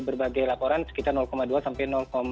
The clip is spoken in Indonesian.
berbagai laporan sekitar dua sampai